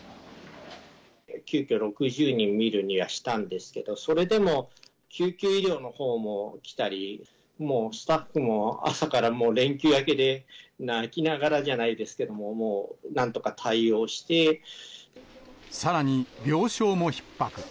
急きょ、６０人診るにはしたんですけど、それでも救急医療のほうも来たり、もう、スタッフも朝からもう連休明けで、泣きながらじゃないですけども、さらに、病床もひっ迫。